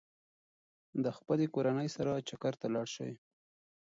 د خپلې کورنۍ سره چکر ته لاړ شئ.